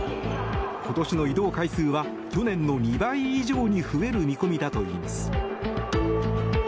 今年の移動回数は去年の２倍以上に増える見込みだといいます。